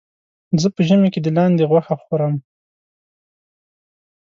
زه په ژمي کې د لاندې غوښه خورم.